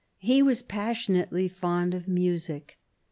He was passionately fond of music.